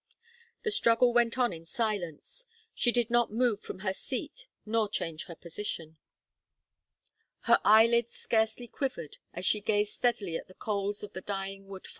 The struggle went on in silence. She did not move from her seat nor change her position. Her eyelids scarcely quivered as she gazed steadily at the coals of the dying wood fire.